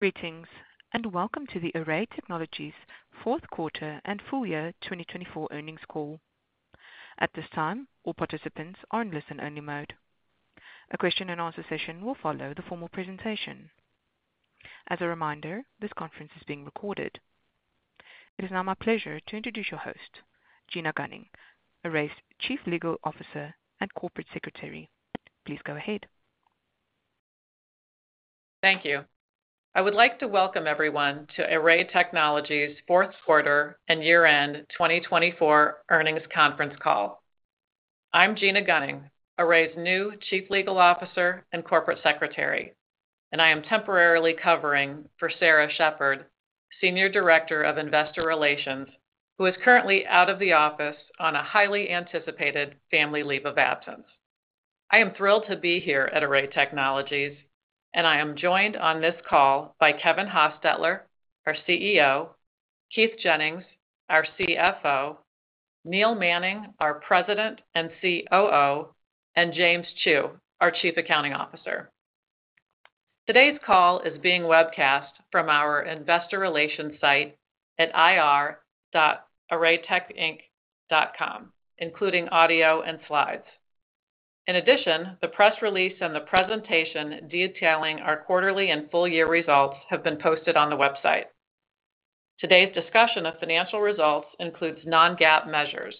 Greetings and welcome to the ARRAY Technologies Fourth Quarter and Full Year 2024 Earnings Call. At this time, all participants are in listen-only mode. A question-and-answer session will follow the formal presentation. As a reminder, this conference is being recorded. It is now my pleasure to introduce your host, Gina Gunning, ARRAY's Chief Legal Officer and Corporate Secretary. Please go ahead. Thank you. I would like to welcome everyone to ARRAY Technologies Fourth Quarter and Year-End 2024 Earnings Conference Call. I'm Gina Gunning, ARRAY's new Chief Legal Officer and Corporate Secretary, and I am temporarily covering for Sarah Sheppard, Senior Director of Investor Relations, who is currently out of the office on a highly anticipated family leave of absence. I am thrilled to be here at ARRAY Technologies, and I am joined on this call by Kevin Hostetler, our CEO; Keith Jennings, our CFO; Neil Manning, our President and COO; and James Chu, our Chief Accounting Officer. Today's call is being webcast from our investor relations site at ir.arraytechinc.com, including audio and slides. In addition, the press release and the presentation detailing our quarterly and full-year results have been posted on the website. Today's discussion of financial results includes non-GAAP measures.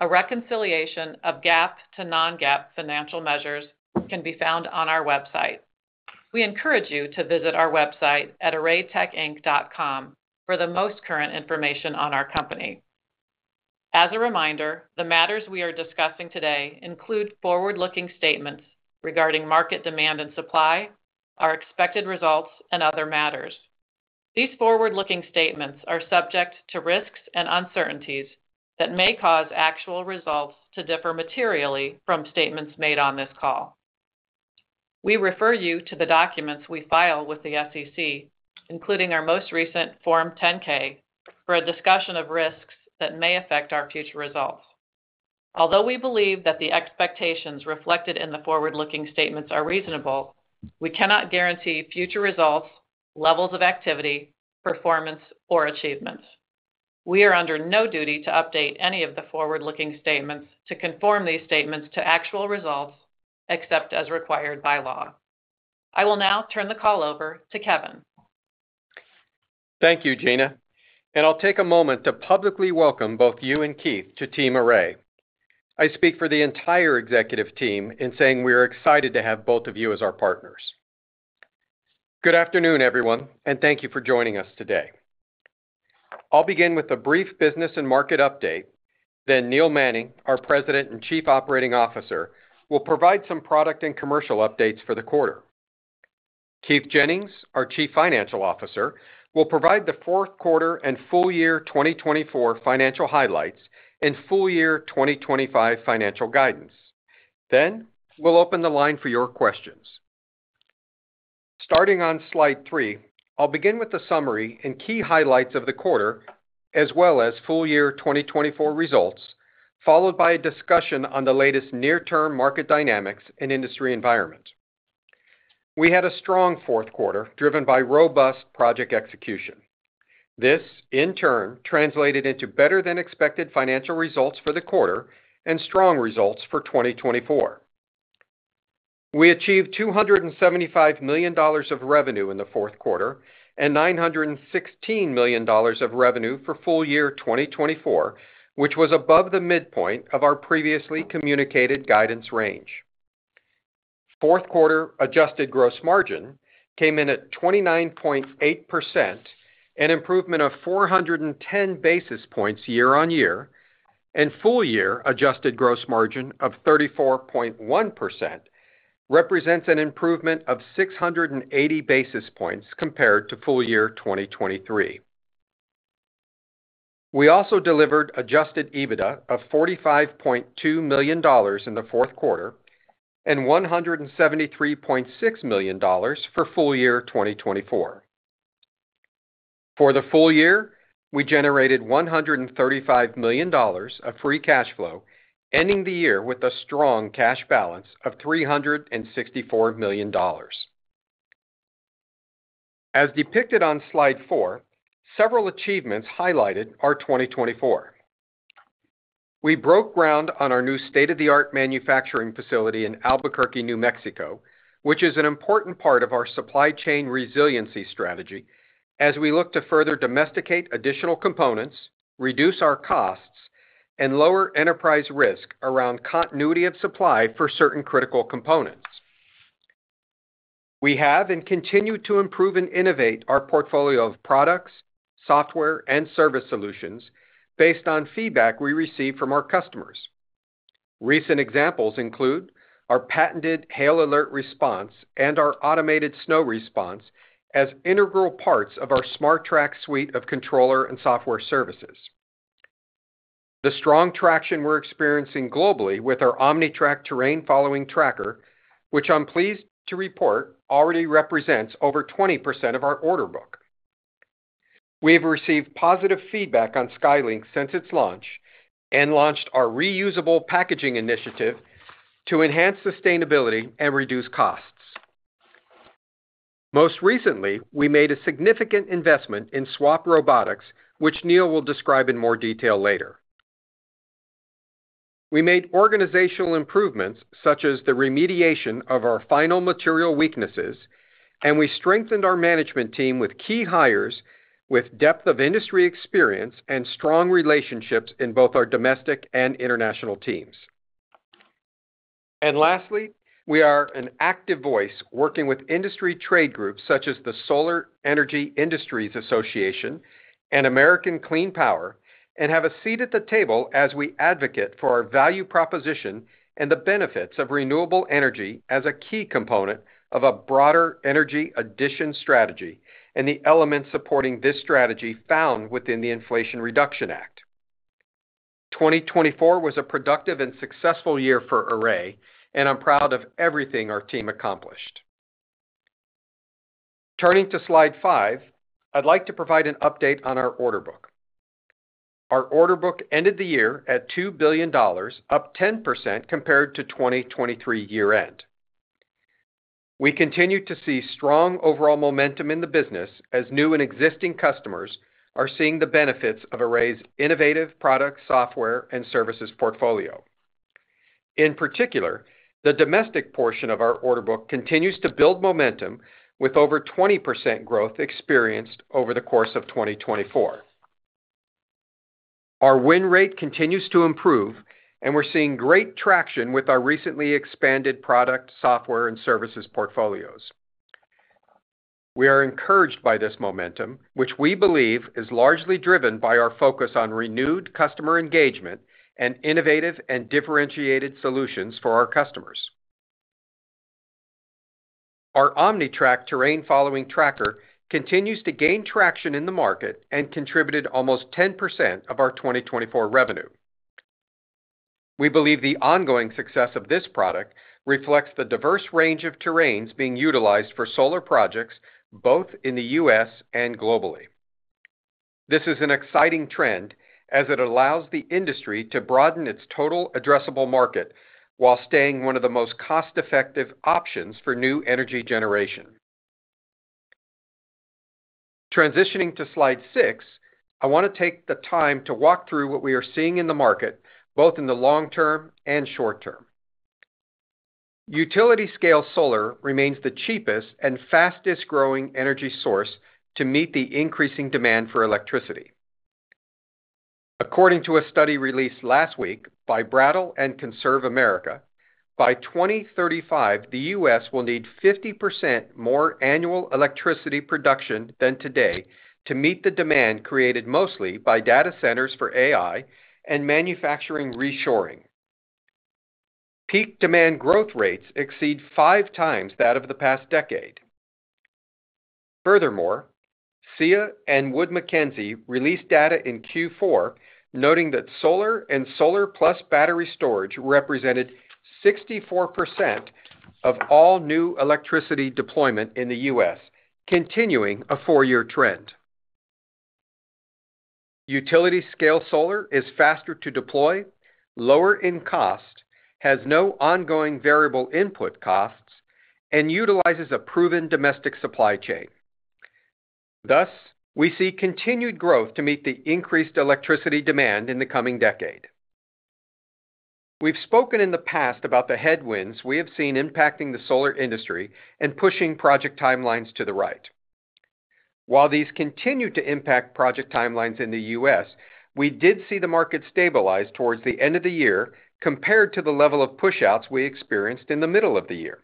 A reconciliation of GAAP to non-GAAP financial measures can be found on our website. We encourage you to visit our website at arraytechinc.com for the most current information on our company. As a reminder, the matters we are discussing today include forward-looking statements regarding market demand and supply, our expected results, and other matters. These forward-looking statements are subject to risks and uncertainties that may cause actual results to differ materially from statements made on this call. We refer you to the documents we file with the SEC, including our most recent Form 10-K, for a discussion of risks that may affect our future results. Although we believe that the expectations reflected in the forward-looking statements are reasonable, we cannot guarantee future results, levels of activity, performance, or achievements. We are under no duty to update any of the forward-looking statements to conform these statements to actual results except as required by law. I will now turn the call over to Kevin. Thank you, Gina. I will take a moment to publicly welcome both you and Keith to Team ARRAY. I speak for the entire executive team in saying we are excited to have both of you as our partners. Good afternoon, everyone, and thank you for joining us today. I will begin with a brief business and market update, then Neil Manning, our President and Chief Operating Officer, will provide some product and commercial updates for the quarter. Keith Jennings, our Chief Financial Officer, will provide the fourth quarter and full year 2024 financial highlights and full year 2025 financial guidance. We will open the line for your questions. Starting on slide three, I will begin with a summary and key highlights of the quarter as well as full year 2024 results, followed by a discussion on the latest near-term market dynamics and industry environment. We had a strong fourth quarter driven by robust project execution. This, in turn, translated into better-than-expected financial results for the quarter and strong results for 2024. We achieved $275 million of revenue in the fourth quarter and $916 million of revenue for full year 2024, which was above the midpoint of our previously communicated guidance range. Fourth quarter adjusted gross margin came in at 29.8%, an improvement of 410 basis points year-on-year, and full-year adjusted gross margin of 34.1% represents an improvement of 680 basis points compared to full year 2023. We also delivered adjusted EBITDA of $45.2 million in the fourth quarter and $173.6 million for full year 2024. For the full year, we generated $135 million of free cash flow, ending the year with a strong cash balance of $364 million. As depicted on slide four, several achievements highlighted our 2024. We broke ground on our new state-of-the-art manufacturing facility in Albuquerque, New Mexico, which is an important part of our supply chain resiliency strategy as we look to further domesticate additional components, reduce our costs, and lower enterprise risk around continuity of supply for certain critical components. We have and continue to improve and innovate our portfolio of products, software, and service solutions based on feedback we receive from our customers. Recent examples include our patented Hail Alert response and our automated snow response as integral parts of our SmarTrack suite of controller and software services. The strong traction we're experiencing globally with our OmniTrack terrain-following tracker, which I'm pleased to report already represents over 20% of our order book. We've received positive feedback on SkyLink since its launch and launched our reusable packaging initiative to enhance sustainability and reduce costs. Most recently, we made a significant investment in Swap Robotics, which Neil will describe in more detail later. We made organizational improvements such as the remediation of our final material weaknesses, and we strengthened our management team with key hires with depth of industry experience and strong relationships in both our domestic and international teams. Lastly, we are an active voice working with industry trade groups such as the Solar Energy Industries Association and American Clean Power and have a seat at the table as we advocate for our value proposition and the benefits of renewable energy as a key component of a broader energy addition strategy and the elements supporting this strategy found within the Inflation Reduction Act. 2024 was a productive and successful year for ARRAY, and I'm proud of everything our team accomplished. Turning to slide five, I'd like to provide an update on our order book. Our order book ended the year at $2 billion, up 10% compared to 2023 year-end. We continue to see strong overall momentum in the business as new and existing customers are seeing the benefits of ARRAY's innovative product, software, and services portfolio. In particular, the domestic portion of our order book continues to build momentum with over 20% growth experienced over the course of 2024. Our win rate continues to improve, and we're seeing great traction with our recently expanded product, software, and services portfolios. We are encouraged by this momentum, which we believe is largely driven by our focus on renewed customer engagement and innovative and differentiated solutions for our customers. Our OmniTrack terrain-following tracker continues to gain traction in the market and contributed almost 10% of our 2024 revenue. We believe the ongoing success of this product reflects the diverse range of terrains being utilized for solar projects both in the U.S. and globally. This is an exciting trend as it allows the industry to broaden its total addressable market while staying one of the most cost-effective options for new energy generation. Transitioning to slide six, I want to take the time to walk through what we are seeing in the market both in the long term and short term. Utility-scale solar remains the cheapest and fastest-growing energy source to meet the increasing demand for electricity. According to a study released last week by Brattle and ConservAmerica, by 2035, the U.S. will need 50% more annual electricity production than today to meet the demand created mostly by data centers for AI and manufacturing reshoring. Peak demand growth rates exceed five times that of the past decade. Furthermore, SEIA and Wood Mackenzie released data in Q4 noting that solar and solar-plus battery storage represented 64% of all new electricity deployment in the U.S., continuing a four-year trend. Utility-scale solar is faster to deploy, lower in cost, has no ongoing variable input costs, and utilizes a proven domestic supply chain. Thus, we see continued growth to meet the increased electricity demand in the coming decade. We've spoken in the past about the headwinds we have seen impacting the solar industry and pushing project timelines to the right. While these continue to impact project timelines in the U.S., we did see the market stabilize towards the end of the year compared to the level of push-outs we experienced in the middle of the year.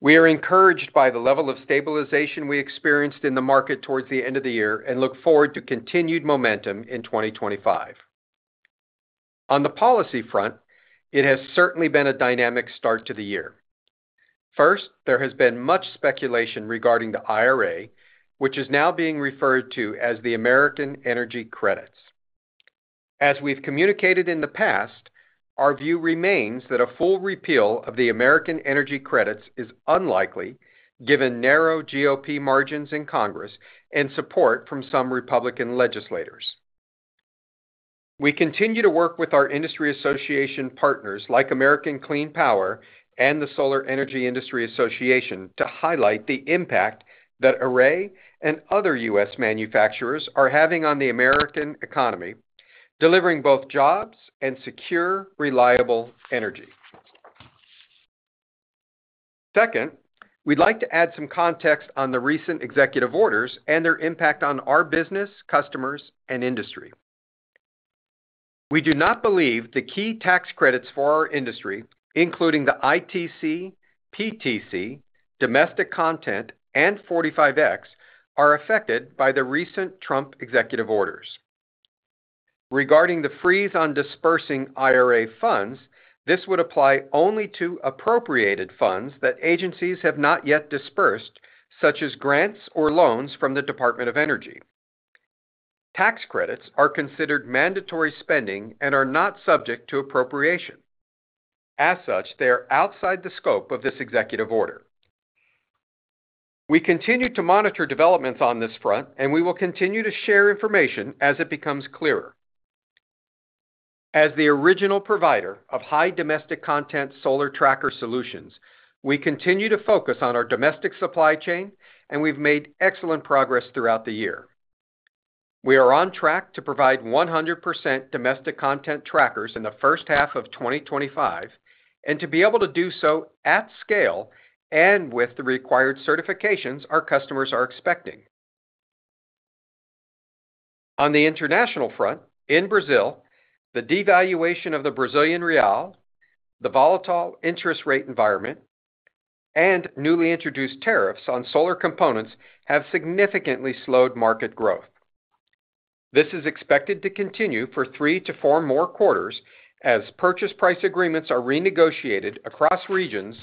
We are encouraged by the level of stabilization we experienced in the market towards the end of the year and look forward to continued momentum in 2025. On the policy front, it has certainly been a dynamic start to the year. First, there has been much speculation regarding the IRA, which is now being referred to as the American Energy Credits. As we've communicated in the past, our view remains that a full repeal of the American Energy Credits is unlikely given narrow GOP margins in Congress and support from some Republican legislators. We continue to work with our industry association partners like American Clean Power and the Solar Energy Industries Association to highlight the impact that ARRAY and other U.S. manufacturers are having on the American economy, delivering both jobs and secure, reliable energy. Second, we'd like to add some context on the recent executive orders and their impact on our business, customers, and industry. We do not believe the key tax credits for our industry, including the ITC, PTC, Domestic Content, and 45X, are affected by the recent Trump executive orders. Regarding the freeze on dispersing IRA funds, this would apply only to appropriated funds that agencies have not yet dispersed, such as grants or loans from the Department of Energy. Tax credits are considered mandatory spending and are not subject to appropriation. As such, they are outside the scope of this executive order. We continue to monitor developments on this front, and we will continue to share information as it becomes clearer. As the original provider of high domestic content solar tracker solutions, we continue to focus on our domestic supply chain, and we've made excellent progress throughout the year. We are on track to provide 100% domestic content trackers in the first half of 2025 and to be able to do so at scale and with the required certifications our customers are expecting. On the international front, in Brazil, the devaluation of the Brazilian real, the volatile interest rate environment, and newly introduced tariffs on solar components have significantly slowed market growth. This is expected to continue for three to four more quarters as purchase price agreements are renegotiated across regions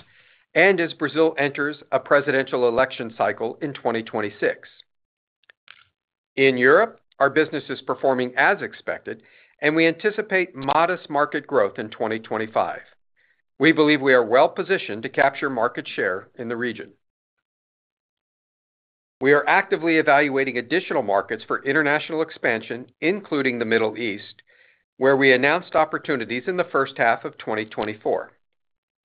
and as Brazil enters a presidential election cycle in 2026. In Europe, our business is performing as expected, and we anticipate modest market growth in 2025. We believe we are well positioned to capture market share in the region. We are actively evaluating additional markets for international expansion, including the Middle East, where we announced opportunities in the first half of 2024.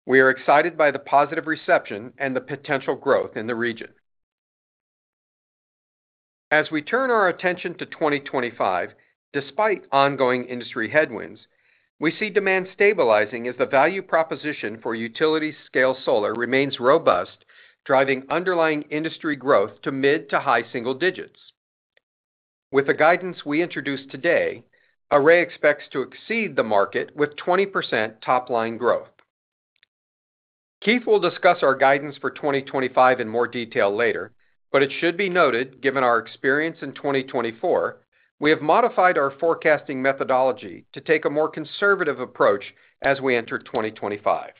We are excited by the positive reception and the potential growth in the region. As we turn our attention to 2025, despite ongoing industry headwinds, we see demand stabilizing as the value proposition for utility-scale solar remains robust, driving underlying industry growth to mid to high single digits. With the guidance we introduced today, ARRAY expects to exceed the market with 20% top-line growth. Keith will discuss our guidance for 2025 in more detail later, but it should be noted, given our experience in 2024, we have modified our forecasting methodology to take a more conservative approach as we enter 2025.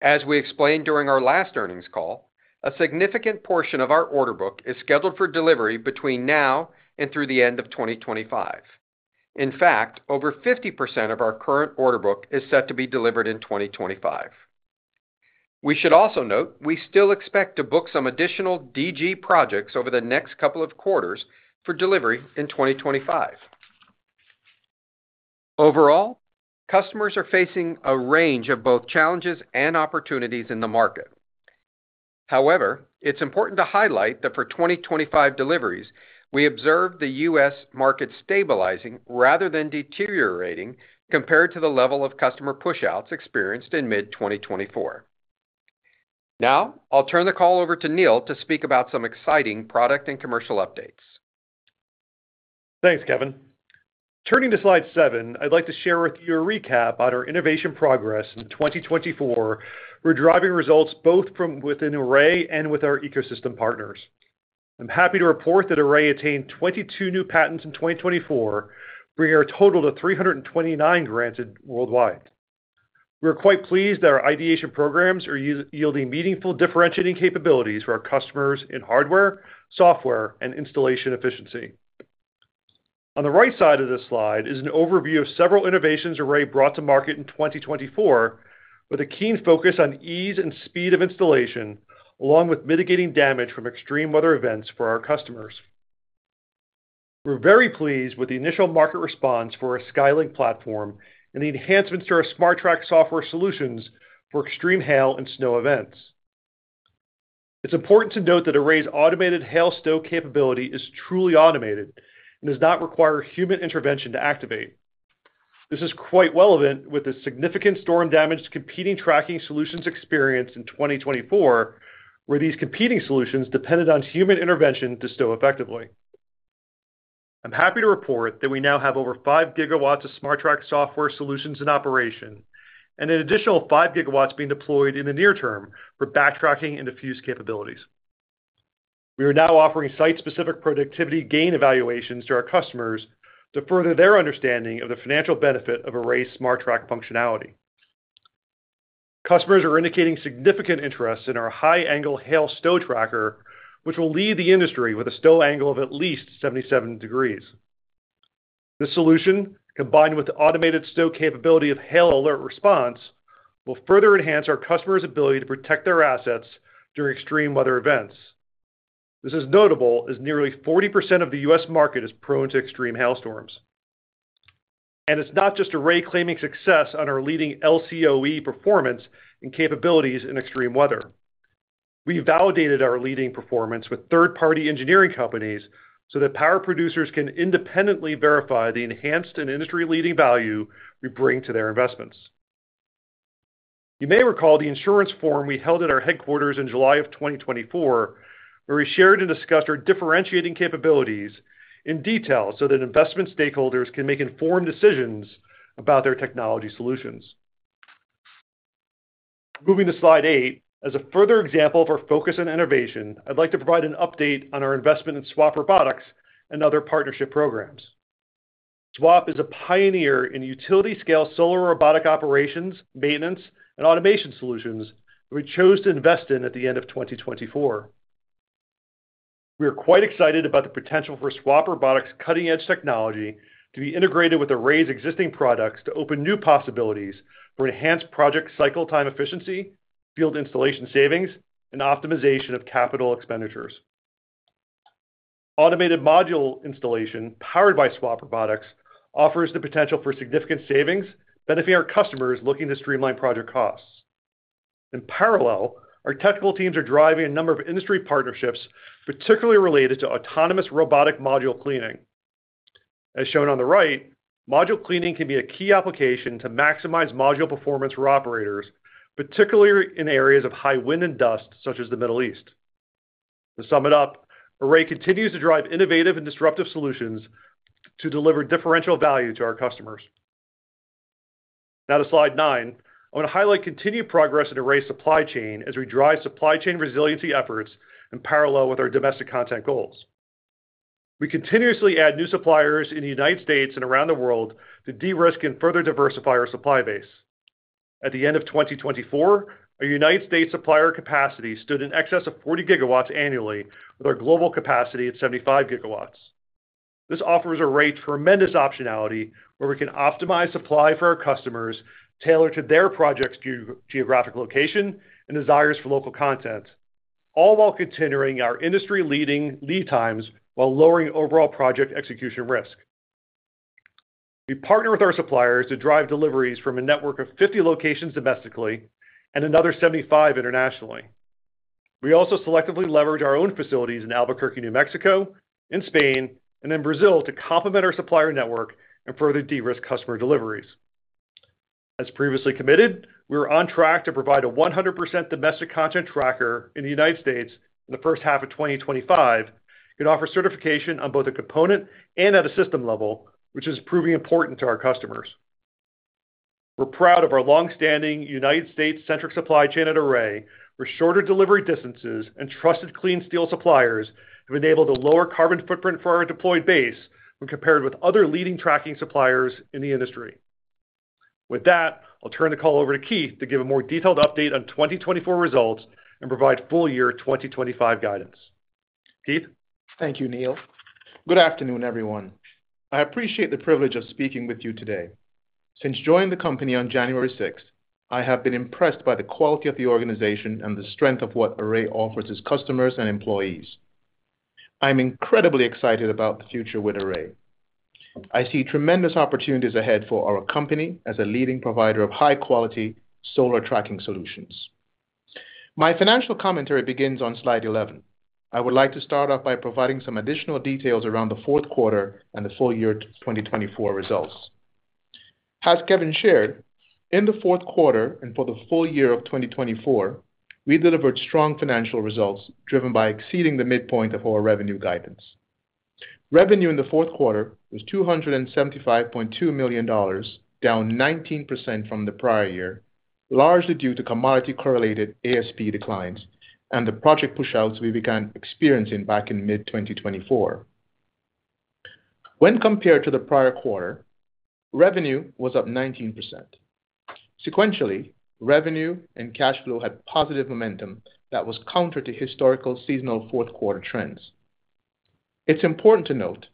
As we explained during our last earnings call, a significant portion of our order book is scheduled for delivery between now and through the end of 2025. In fact, over 50% of our current order book is set to be delivered in 2025. We should also note we still expect to book some additional DG projects over the next couple of quarters for delivery in 2025. Overall, customers are facing a range of both challenges and opportunities in the market. However, it's important to highlight that for 2025 deliveries, we observe the U.S. market stabilizing rather than deteriorating compared to the level of customer push-outs experienced in mid-2024. Now, I'll turn the call over to Neil to speak about some exciting product and commercial updates. Thanks, Kevin. Turning to slide seven, I'd like to share with you a recap on our innovation progress in 2024. We're driving results both from within ARRAY and with our ecosystem partners. I'm happy to report that ARRAY attained 22 new patents in 2024, bringing our total to 329 grants worldwide. We're quite pleased that our ideation programs are yielding meaningful differentiating capabilities for our customers in hardware, software, and installation efficiency. On the right side of this slide is an overview of several innovations ARRAY brought to market in 2024, with a keen focus on ease and speed of installation, along with mitigating damage from extreme weather events for our customers. We're very pleased with the initial market response for our SkyLink platform and the enhancements to our SmarTrack software solutions for extreme hail and snow events. It's important to note that ARRAY's automated hail stow capability is truly automated and does not require human intervention to activate. This is quite relevant with the significant storm damage competing tracking solutions experienced in 2024, where these competing solutions depended on human intervention to stow effectively. I'm happy to report that we now have over 5 GW of SmarTrack software solutions in operation and an additional 5 GW being deployed in the near term for backtracking and diffuse capabilities. We are now offering site-specific productivity gain evaluations to our customers to further their understanding of the financial benefit of ARRAY's SmarTrack functionality. Customers are indicating significant interest in our high-angle hail stow tracker, which will lead the industry with a stow angle of at least 77 degrees. The solution, combined with the automated stow capability of Hail Alert response, will further enhance our customers' ability to protect their assets during extreme weather events. This is notable as nearly 40% of the U.S. market is prone to extreme hailstorms. It is not just ARRAY claiming success on our leading LCOE performance and capabilities in extreme weather. We validated our leading performance with third-party engineering companies so that power producers can independently verify the enhanced and industry-leading value we bring to their investments. You may recall the insurance forum we held at our headquarters in July of 2024, where we shared and discussed our differentiating capabilities in detail so that investment stakeholders can make informed decisions about their technology solutions. Moving to slide eight, as a further example of our focus on innovation, I'd like to provide an update on our investment in Swap Robotics and other partnership programs. Swap is a pioneer in utility-scale solar robotic operations, maintenance, and automation solutions that we chose to invest in at the end of 2024. We are quite excited about the potential for Swap Robotics' cutting-edge technology to be integrated with ARRAY's existing products to open new possibilities for enhanced project cycle time efficiency, field installation savings, and optimization of capital expenditures. Automated module installation powered by Swap Robotics offers the potential for significant savings, benefiting our customers looking to streamline project costs. In parallel, our technical teams are driving a number of industry partnerships, particularly related to autonomous robotic module cleaning. As shown on the right, module cleaning can be a key application to maximize module performance for operators, particularly in areas of high wind and dust, such as the Middle East. To sum it up, ARRAY continues to drive innovative and disruptive solutions to deliver differential value to our customers. Now to slide nine, I want to highlight continued progress in ARRAY's supply chain as we drive supply chain resiliency efforts in parallel with our domestic content goals. We continuously add new suppliers in the United States and around the world to de-risk and further diversify our supply base. At the end of 2024, our United States supplier capacity stood in excess of 40 GW annually, with our global capacity at 75 GW. This offers ARRAY tremendous optionality, where we can optimize supply for our customers tailored to their project's geographic location and desires for local content, all while continuing our industry-leading lead times while lowering overall project execution risk. We partner with our suppliers to drive deliveries from a network of 50 locations domestically and another 75 internationally. We also selectively leverage our own facilities in Albuquerque, New Mexico, in Spain, and in Brazil to complement our supplier network and further de-risk customer deliveries. As previously committed, we were on track to provide a 100% domestic content tracker in the United States in the first half of 2025. It could offer certification on both a component and at a system level, which is proving important to our customers. We're proud of our long-standing United States-centric supply chain at ARRAY for shorter delivery distances and trusted clean steel suppliers who've enabled a lower carbon footprint for our deployed base when compared with other leading tracking suppliers in the industry. With that, I'll turn the call over to Keith to give a more detailed update on 2024 results and provide full year 2025 guidance. Keith. Thank you, Neil. Good afternoon, everyone. I appreciate the privilege of speaking with you today. Since joining the company on January 6th, I have been impressed by the quality of the organization and the strength of what ARRAY offers its customers and employees. I'm incredibly excited about the future with ARRAY. I see tremendous opportunities ahead for our company as a leading provider of high-quality solar tracking solutions. My financial commentary begins on slide 11. I would like to start off by providing some additional details around the fourth quarter and the full year 2024 results. As Kevin shared, in the fourth quarter and for the full year of 2024, we delivered strong financial results driven by exceeding the midpoint of our revenue guidance. Revenue in the fourth quarter was $275.2 million, down 19% from the prior year, largely due to commodity-correlated ASP declines and the project push-outs we began experiencing back in mid-2024. When compared to the prior quarter, revenue was up 19%. Sequentially, revenue and cash flow had positive momentum that was counter to historical seasonal fourth quarter trends. It's important to note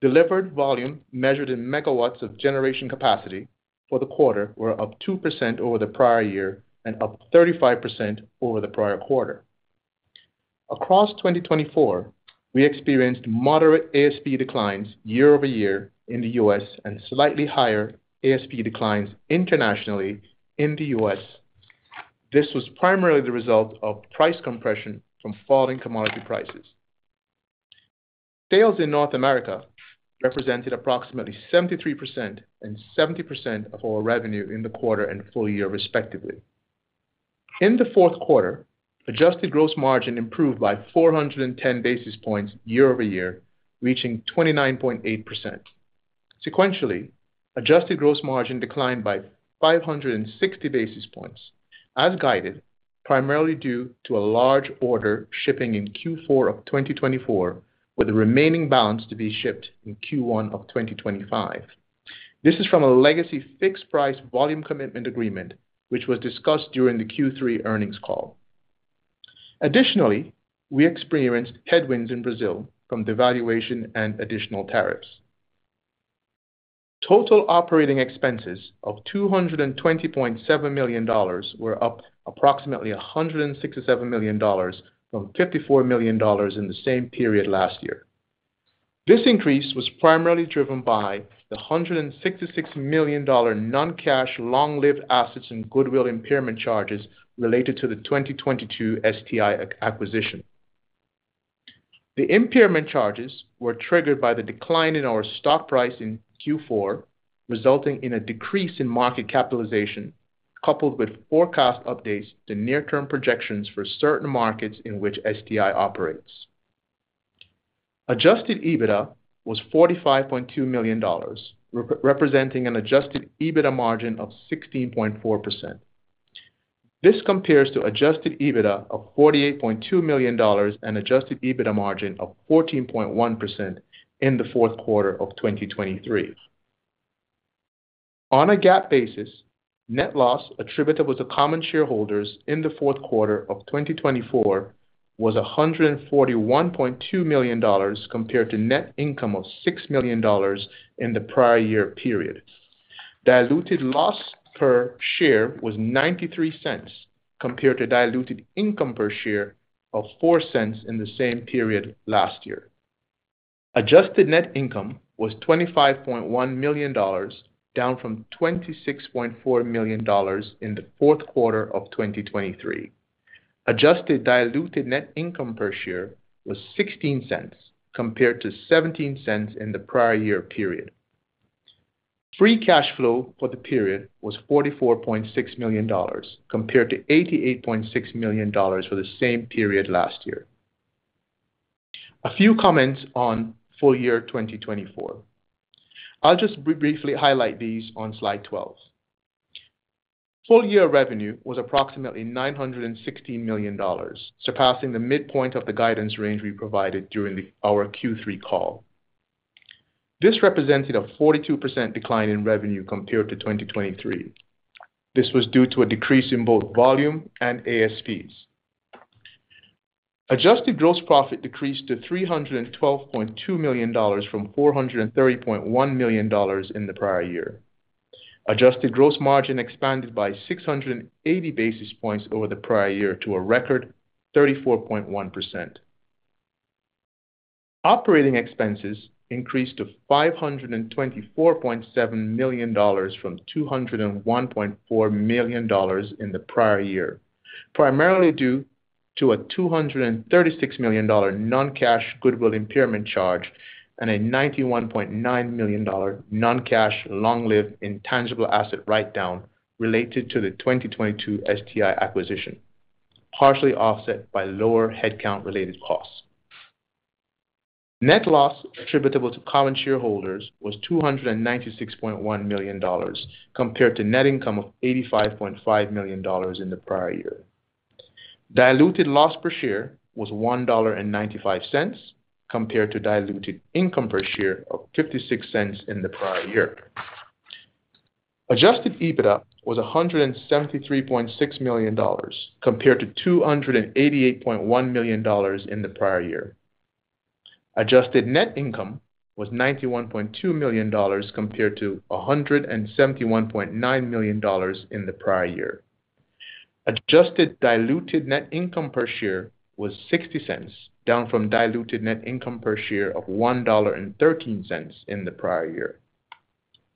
delivered volume measured in megawatts of generation capacity for the quarter were up 2% over the prior year and up 35% over the prior quarter. Across 2024, we experienced moderate ASP declines year-over-year in the U.S. and slightly higher ASP declines internationally in the U.S. This was primarily the result of price compression from falling commodity prices. Sales in North America represented approximately 73% and 70% of our revenue in the quarter and full year, respectively. In the fourth quarter, adjusted gross margin improved by 410 basis points year-over-year, reaching 29.8%. Sequentially, adjusted gross margin declined by 560 basis points, as guided, primarily due to a large order shipping in Q4 of 2024, with the remaining balance to be shipped in Q1 of 2025. This is from a legacy fixed-price volume commitment agreement, which was discussed during the Q3 earnings call. Additionally, we experienced headwinds in Brazil from devaluation and additional tariffs. Total operating expenses of $220.7 million were up approximately $167 million from $54 million in the same period last year. This increase was primarily driven by the $166 million non-cash long-lived assets and goodwill impairment charges related to the 2022 STI acquisition. The impairment charges were triggered by the decline in our stock price in Q4, resulting in a decrease in market capitalization, coupled with forecast updates to near-term projections for certain markets in which STI operates. Adjusted EBITDA was $45.2 million, representing an adjusted EBITDA margin of 16.4%. This compares to adjusted EBITDA of $48.2 million and adjusted EBITDA margin of 14.1% in the fourth quarter of 2023. On a GAAP basis, net loss attributable to common shareholders in the fourth quarter of 2024 was $141.2 million compared to net income of $6 million in the prior year period. Diluted loss per share was $0.93 compared to diluted income per share of $0.04 in the same period last year. Adjusted net income was $25.1 million, down from $26.4 million in the fourth quarter of 2023. Adjusted diluted net income per share was $0.16 compared to $0.17 in the prior year period. Free cash flow for the period was $44.6 million compared to $88.6 million for the same period last year. A few comments on full year 2024. I'll just briefly highlight these on slide 12. Full year revenue was approximately $916 million, surpassing the midpoint of the guidance range we provided during our Q3 call. This represented a 42% decline in revenue compared to 2023. This was due to a decrease in both volume and ASPs. Adjusted gross profit decreased to $312.2 million from $430.1 million in the prior year. Adjusted gross margin expanded by 680 basis points over the prior year to a record 34.1%. Operating expenses increased to $524.7 million from $201.4 million in the prior year, primarily due to a $236 million non-cash goodwill impairment charge and a $91.9 million non-cash long-lived intangible asset write-down related to the 2022 STI acquisition, partially offset by lower headcount-related costs. Net loss attributable to common shareholders was $296.1 million compared to net income of $85.5 million in the prior year. Diluted loss per share was $1.95 compared to diluted income per share of $0.56 in the prior year. Adjusted EBITDA was $173.6 million compared to $288.1 million in the prior year. Adjusted net income was $91.2 million compared to $171.9 million in the prior year. Adjusted diluted net income per share was $0.60, down from diluted net income per share of $1.13 in the prior year.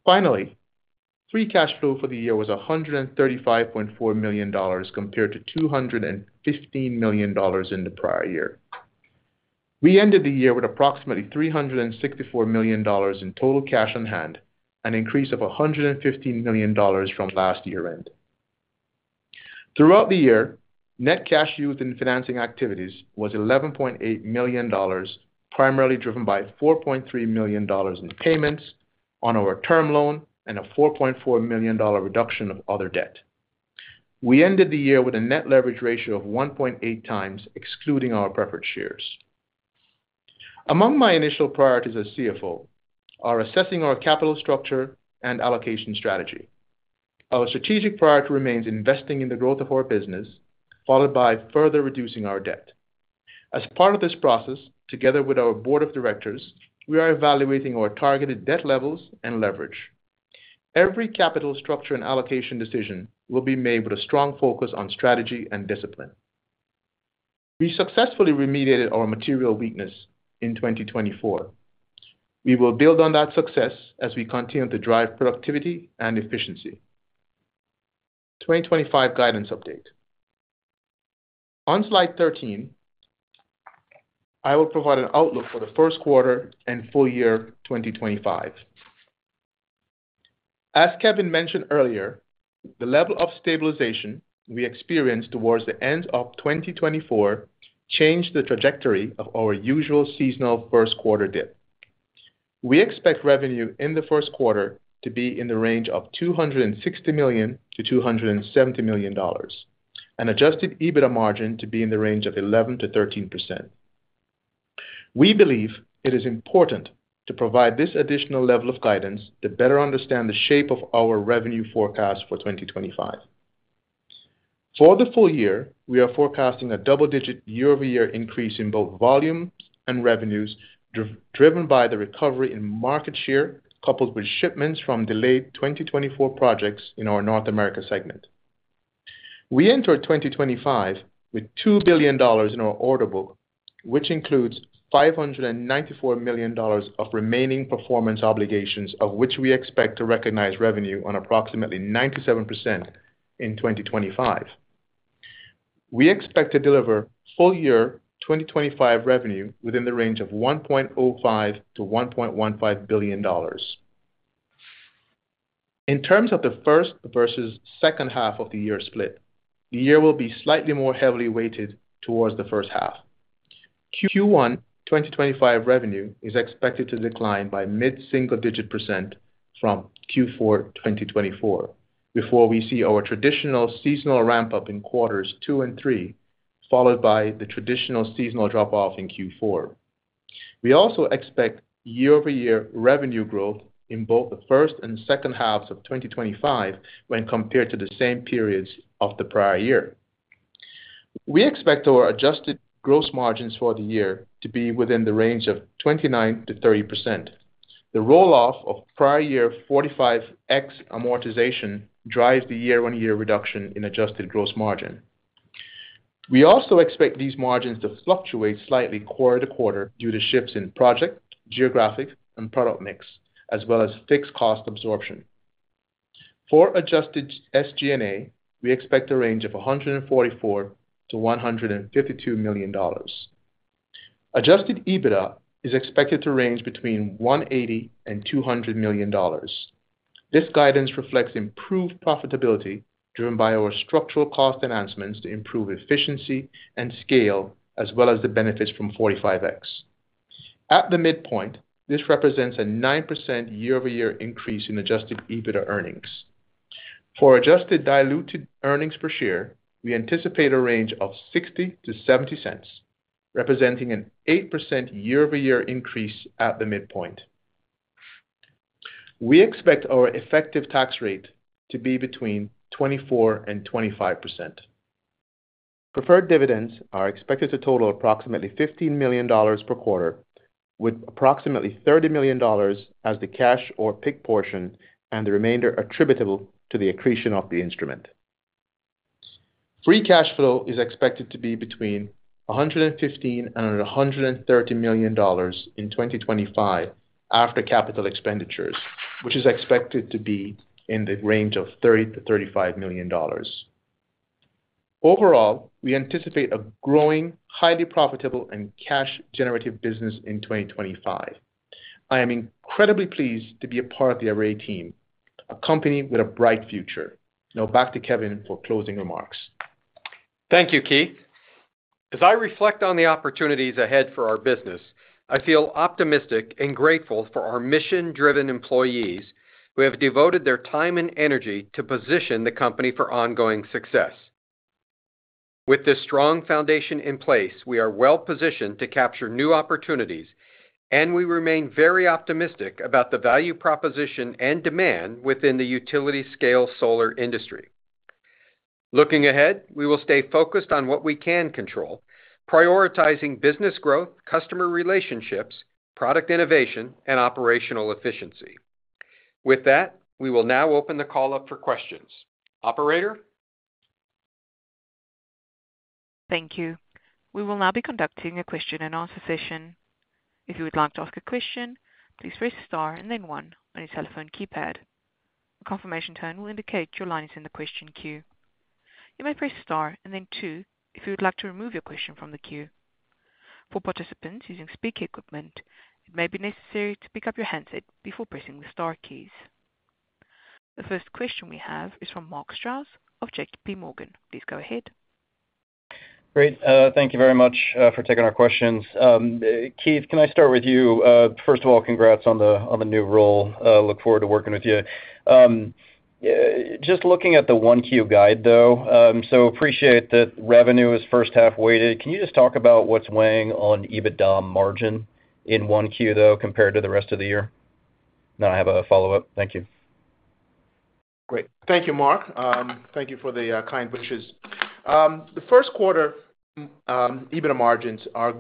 Finally, free cash flow for the year was $135.4 million compared to $215 million in the prior year. We ended the year with approximately $364 million in total cash on hand, an increase of $115 million from last year-end. Throughout the year, net cash used in financing activities was $11.8 million, primarily driven by $4.3 million in payments on our term loan and a $4.4 million reduction of other debt. We ended the year with a net leverage ratio of 1.8 times, excluding our preferred shares. Among my initial priorities as CFO are assessing our capital structure and allocation strategy. Our strategic priority remains investing in the growth of our business, followed by further reducing our debt. As part of this process, together with our Board of Directors, we are evaluating our targeted debt levels and leverage. Every capital structure and allocation decision will be made with a strong focus on strategy and discipline. We successfully remediated our material weakness in 2024. We will build on that success as we continue to drive productivity and efficiency. 2025 guidance update. On slide 13, I will provide an outlook for the first quarter and full year 2025. As Kevin mentioned earlier, the level of stabilization we experienced towards the end of 2024 changed the trajectory of our usual seasonal first quarter dip. We expect revenue in the first quarter to be in the range of $260 million-$270 million and adjusted EBITDA margin to be in the range of 11%-13%. We believe it is important to provide this additional level of guidance to better understand the shape of our revenue forecast for 2025. For the full year, we are forecasting a double-digit year-over-year increase in both volume and revenues, driven by the recovery in market share coupled with shipments from delayed 2024 projects in our North America segment. We entered 2025 with $2 billion in our order book, which includes $594 million of remaining performance obligations, of which we expect to recognize revenue on approximately 97% in 2025. We expect to deliver full year 2025 revenue within the range of $1.05-$1.15 billion. In terms of the first versus second half of the year split, the year will be slightly more heavily weighted towards the first half. Q1 2025 revenue is expected to decline by mid-single-digit % from Q4 2024 before we see our traditional seasonal ramp-up in quarters two and three, followed by the traditional seasonal drop-off in Q4. We also expect year-over-year revenue growth in both the first and second halves of 2025 when compared to the same periods of the prior year. We expect our adjusted gross margins for the year to be within the range of 29%-30%. The roll-off of prior year 45X amortization drives the year-on-year reduction in adjusted gross margin. We also expect these margins to fluctuate slightly quarter to quarter due to shifts in project, geographic, and product mix, as well as fixed cost absorption. For adjusted SG&A, we expect a range of $144-$152 million. Adjusted EBITDA is expected to range between $180-$200 million. This guidance reflects improved profitability driven by our structural cost enhancements to improve efficiency and scale, as well as the benefits from 45X. At the midpoint, this represents a 9% year-over-year increase in adjusted EBITDA earnings. For adjusted diluted earnings per share, we anticipate a range of $0.60-$0.70, representing an 8% year-over-year increase at the midpoint. We expect our effective tax rate to be between 24%-25%. Preferred dividends are expected to total approximately $15 million per quarter, with approximately $30 million as the cash or pick portion and the remainder attributable to the accretion of the instrument. Free cash flow is expected to be between $115 million and $130 million in 2025 after capital expenditures, which is expected to be in the range of $30 million-$35 million. Overall, we anticipate a growing, highly profitable, and cash-generative business in 2025. I am incredibly pleased to be a part of the ARRAY Team, a company with a bright future. Now, back to Kevin for closing remarks. Thank you, Keith. As I reflect on the opportunities ahead for our business, I feel optimistic and grateful for our mission-driven employees who have devoted their time and energy to position the company for ongoing success. With this strong foundation in place, we are well-positioned to capture new opportunities, and we remain very optimistic about the value proposition and demand within the utility-scale solar industry. Looking ahead, we will stay focused on what we can control, prioritizing business growth, customer relationships, product innovation, and operational efficiency. With that, we will now open the call up for questions. Operator? Thank you. We will now be conducting a question-and-answer session. If you would like to ask a question, please press star and then one on your telephone keypad. A confirmation tone will indicate your line is in the question queue. You may press star and then two if you would like to remove your question from the queue. For participants using speaker equipment, it may be necessary to pick up your handset before pressing the star keys. The first question we have is from Mark Strouse of J.P. Morgan. Please go ahead. Great. Thank you very much for taking our questions. Keith, can I start with you? First of all, congrats on the new role. Look forward to working with you. Just looking at the one-queue guide, though, so appreciate that revenue is first half weighted. Can you just talk about what's weighing on EBITDA margin in one-queue, though, compared to the rest of the year? Then I have a follow-up. Thank you. Great. Thank you, Mark. Thank you for the kind wishes. The first quarter EBITDA margins are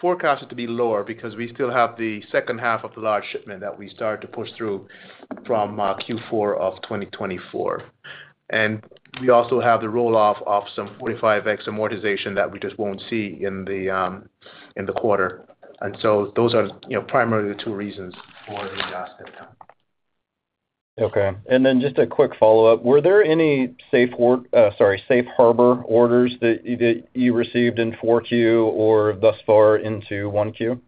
forecasted to be lower because we still have the second half of the large shipment that we started to push through from Q4 of 2024. We also have the roll-off of some 45X amortization that we just won't see in the quarter. Those are primarily the two reasons for the adjusted account. Okay. Just a quick follow-up. Were there any safe harbor orders that you received in four-queue or thus far into one-queue?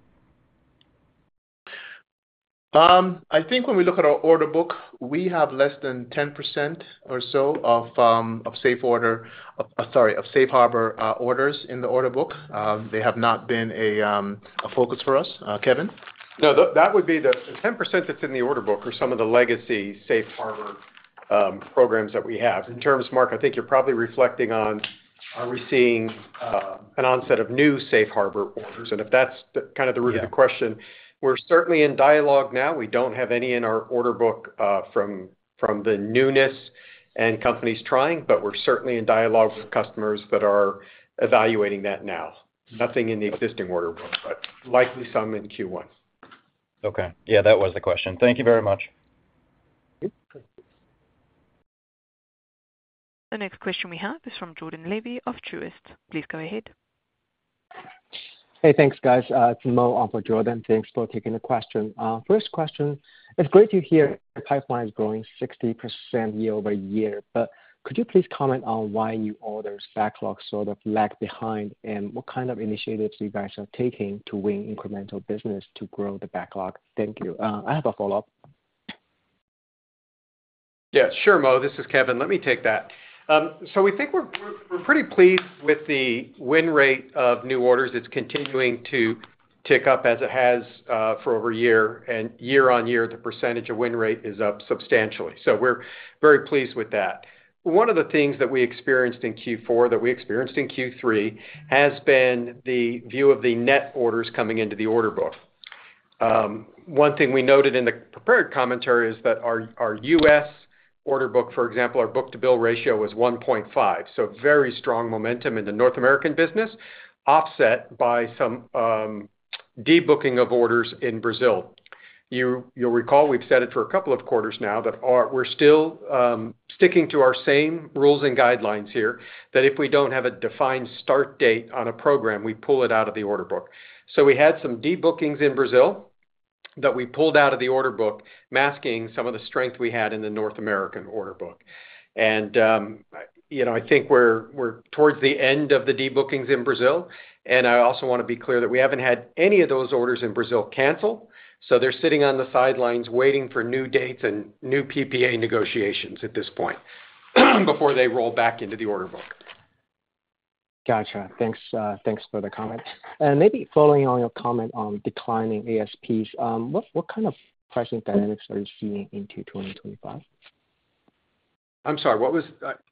I think when we look at our order book, we have less than 10% or so of safe harbor orders in the order book. They have not been a focus for us. Kevin? No, that would be the 10% that's in the order book are some of the legacy safe harbor programs that we have. In terms, Mark, I think you're probably reflecting on are we seeing an onset of new safe harbor orders? If that's kind of the root of the question, we're certainly in dialogue now. We do not have any in our order book from the newness and companies trying, but we're certainly in dialogue with customers that are evaluating that now. Nothing in the existing order book, but likely some in Q1. Okay. Yeah, that was the question. Thank you very much. The next question we have is from Jordan Levy of Truist. Please go ahead. Hey, thanks, guys. It's Moe, on for Jordan. Thanks for taking the question. First question, it's great to hear the pipeline is growing 60% year-over-year, but could you please comment on why new orders backlog sort of lag behind and what kind of initiatives you guys are taking to win incremental business to grow the backlog? Thank you. I have a follow-up. Yeah, sure, Moe. This is Kevin. Let me take that. We think we're pretty pleased with the win rate of new orders. It's continuing to tick up as it has for over a year. Year-on-year, the percentage of win rate is up substantially. We're very pleased with that. One of the things that we experienced in Q4 that we experienced in Q3 has been the view of the net orders coming into the order book. One thing we noted in the prepared commentary is that our U.S. order book, for example, our book-to-bill ratio was 1.5. Very strong momentum in the North American business, offset by some debooking of orders in Brazil. You'll recall we've said it for a couple of quarters now that we're still sticking to our same rules and guidelines here that if we don't have a defined start date on a program, we pull it out of the order book. We had some debookings in Brazil that we pulled out of the order book, masking some of the strength we had in the North American order book. I think we're towards the end of the debookings in Brazil. I also want to be clear that we haven't had any of those orders in Brazil canceled. They're sitting on the sidelines waiting for new dates and new PPA negotiations at this point before they roll back into the order book. Gotcha. Thanks for the comment. Maybe following on your comment on declining ASPs, what kind of pricing dynamics are you seeing into 2025? I'm sorry, what was.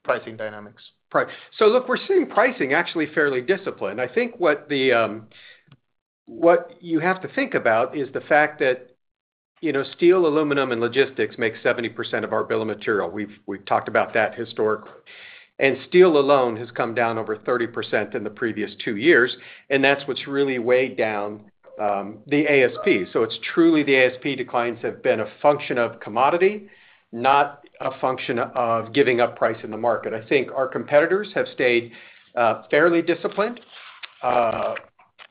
Pricing dynamics. Look, we're seeing pricing actually fairly disciplined. I think what you have to think about is the fact that steel, aluminum, and logistics make 70% of our bill of material. We've talked about that historically. Steel alone has come down over 30% in the previous two years. That's what's really weighed down the ASP. The ASP declines have been a function of commodity, not a function of giving up price in the market. I think our competitors have stayed fairly disciplined.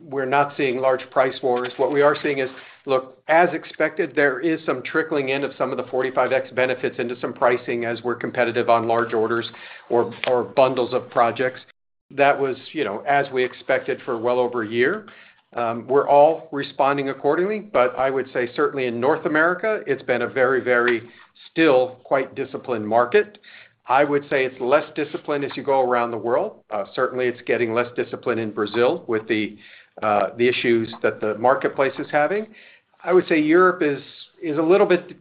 We're not seeing large price wars. What we are seeing is, look, as expected, there is some trickling in of some of the 45X benefits into some pricing as we're competitive on large orders or bundles of projects. That was as we expected for well over a year. We're all responding accordingly, but I would say certainly in North America, it's been a very, very still quite disciplined market. I would say it's less disciplined as you go around the world. Certainly, it's getting less disciplined in Brazil with the issues that the marketplace is having. I would say Europe is a little bit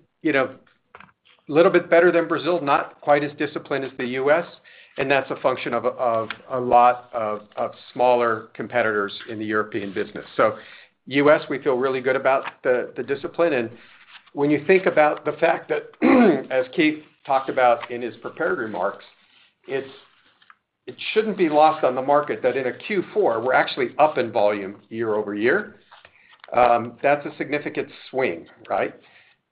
better than Brazil, not quite as disciplined as the U.S. And that's a function of a lot of smaller competitors in the European business. U.S., we feel really good about the discipline. When you think about the fact that, as Keith talked about in his prepared remarks, it shouldn't be lost on the market that in a Q4, we're actually up in volume year-over-year. That's a significant swing, right?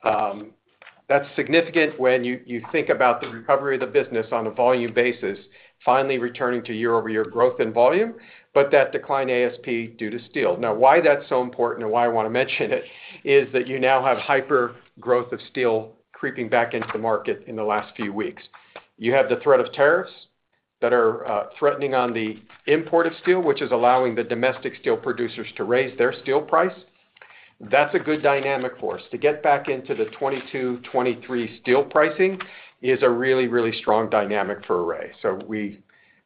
That's significant when you think about the recovery of the business on a volume basis, finally returning to year-over-year growth in volume, but that decline in ASP due to steel. Now, why that's so important and why I want to mention it is that you now have hyper growth of steel creeping back into the market in the last few weeks. You have the threat of tariffs that are threatening on the import of steel, which is allowing the domestic steel producers to raise their steel price. That's a good dynamic for us. To get back into the 2022-2023 steel pricing is a really, really strong dynamic for ARRAY.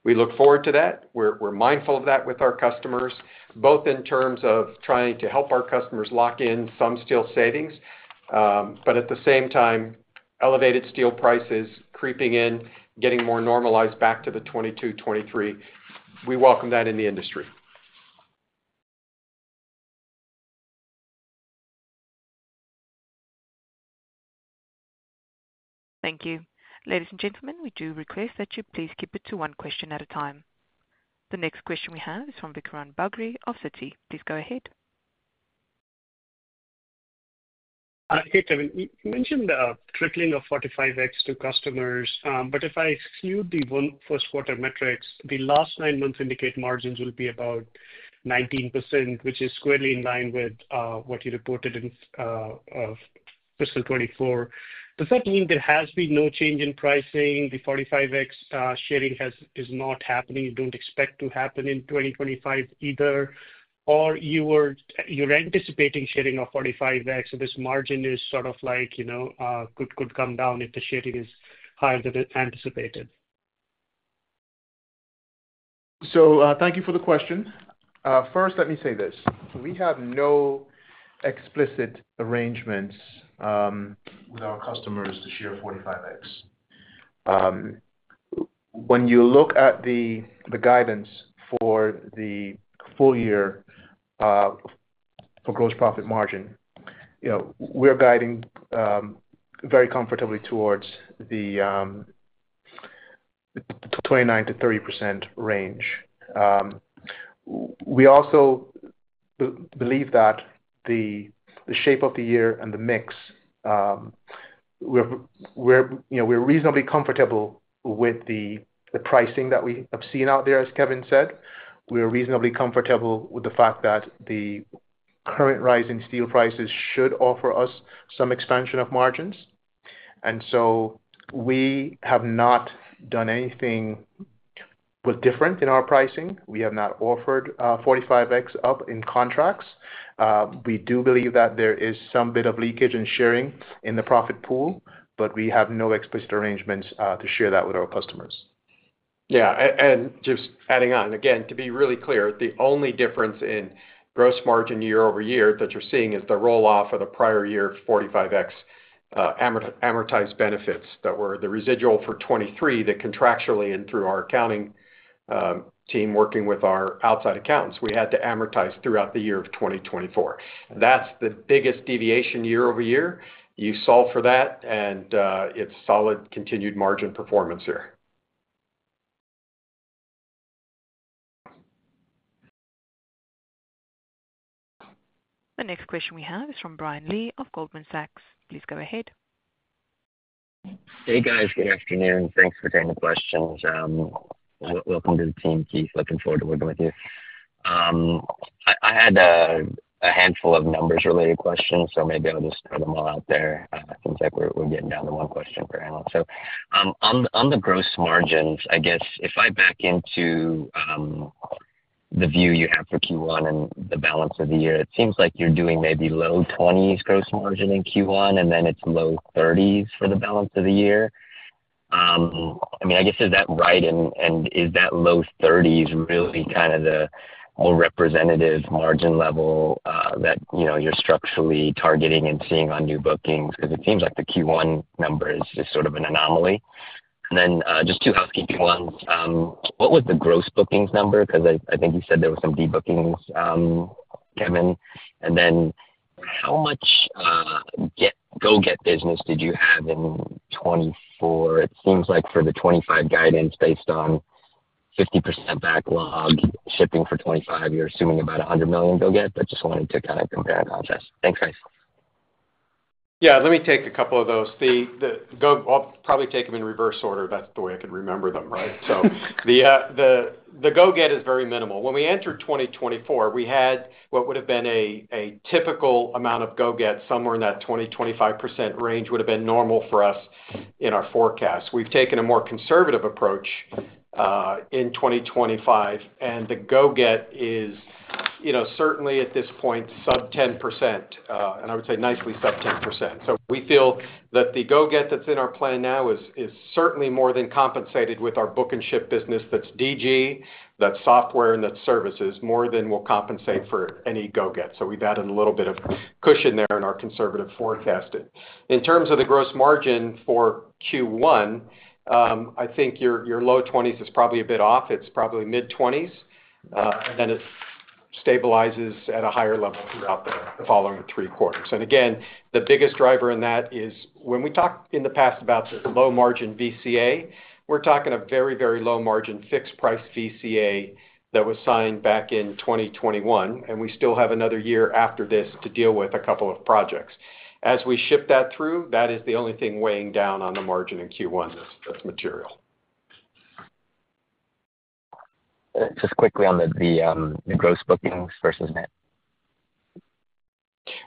We look forward to that. We're mindful of that with our customers, both in terms of trying to help our customers lock in some steel savings, but at the same time, elevated steel prices creeping in, getting more normalized back to the 2022, 2023. We welcome that in the industry. Thank you. Ladies and gentlemen, we do request that you please keep it to one question at a time. The next question we have is from Vikram Bagri of Citi. Please go ahead. Hey, Kevin, you mentioned a trickling of 45X to customers, but if I skew the one-first-quarter metrics, the last nine months indicate margins will be about 19%, which is squarely in line with what you reported in fiscal 2024. Does that mean there has been no change in pricing? The 45X sharing is not happening. You don't expect to happen in 2025 either, or you're anticipating sharing of 45X, and this margin is sort of like could come down if the sharing is higher than anticipated? Thank you for the question. First, let me say this. We have no explicit arrangements with our customers to share 45X. When you look at the guidance for the full year for gross profit margin, we're guiding very comfortably towards the 29-30% range. We also believe that the shape of the year and the mix, we're reasonably comfortable with the pricing that we have seen out there, as Kevin said. We're reasonably comfortable with the fact that the current rise in steel prices should offer us some expansion of margins. We have not done anything different in our pricing. We have not offered 45X up in contracts. We do believe that there is some bit of leakage and sharing in the profit pool, but we have no explicit arrangements to share that with our customers. Yeah. And just adding on, again, to be really clear, the only difference in gross margin year-over-year that you're seeing is the roll-off of the prior year 45X amortized benefits that were the residual for 2023 that contractually and through our accounting team working with our outside accounts, we had to amortize throughout the year of 2024. That's the biggest deviation year-over-year. You solve for that, and it's solid continued margin performance here. The next question we have is from Brian Lee of Goldman Sachs. Please go ahead. Hey, guys. Good afternoon. Thanks for taking the questions. Welcome to the team, Keith. Looking forward to working with you. I had a handful of numbers-related questions, so maybe I'll just throw them all out there. Seems like we're getting down to one question per annum. On the gross margins, I guess if I back into the view you have for Q1 and the balance of the year, it seems like you're doing maybe low 20% gross margin in Q1, and then it's low 30% for the balance of the year. I mean, I guess is that right? Is that low 30% really kind of the more representative margin level that you're structurally targeting and seeing on new bookings? It seems like the Q1 number is just sort of an anomaly. Just two housekeeping ones. What was the gross bookings number? I think you said there were some debookings, Kevin. How much go-get business did you have in 2024? It seems like for the 2025 guidance, based on 50% backlog, shipping for 2025, you're assuming about $100 million go-get. Just wanted to kind of compare and contrast. Thanks, guys. Yeah. Let me take a couple of those. I'll probably take them in reverse order. That's the way I could remember them, right? The go-get is very minimal. When we entered 2024, we had what would have been a typical amount of go-get somewhere in that 20-25% range would have been normal for us in our forecast. We've taken a more conservative approach in 2025, and the go-get is certainly at this point sub 10%, and I would say nicely sub 10%. We feel that the go-get that's in our plan now is certainly more than compensated with our book and ship business. That's DG, that's software, and that's services more than will compensate for any go-get. We have added a little bit of cushion there in our conservative forecasting. In terms of the gross margin for Q1, I think your low 20s is probably a bit off. It's probably mid-20s, and it stabilizes at a higher level throughout the following three quarters. Again, the biggest driver in that is when we talk in the past about the low margin VCA, we are talking a very, very low margin fixed price VCA that was signed back in 2021, and we still have another year after this to deal with a couple of projects. As we ship that through, that is the only thing weighing down on the margin in Q1 that's material. Just quickly on the gross bookings versus net?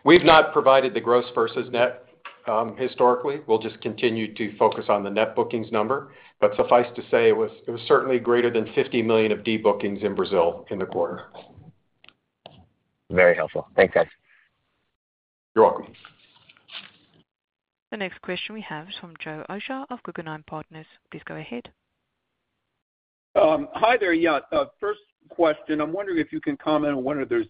We've not provided the gross versus net historically. We'll just continue to focus on the net bookings number. Suffice to say, it was certainly greater than $50 million of debookings in Brazil in the quarter. Very helpful. Thanks, guys. You're welcome. The next question we have is from Joe Osha of Guggenheim Partners. Please go ahead. Hi there, yeah. First question, I'm wondering if you can comment on whether there's